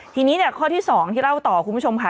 ทีนี้เนี่ยข้อที่๒ที่เล่าต่อคุณผู้ชมค่ะ